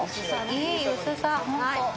いい薄さ。